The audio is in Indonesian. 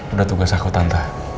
udah tugas aku tante